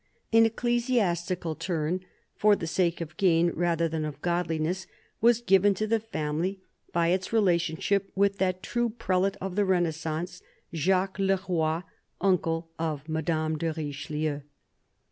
An ecclesiastical turn — for the sake of gain rather than of godliness — was given to the family by its relationship with that "true prelate of the Renaissance," Jacques Le Roy, uncle of Madame de Richelieu.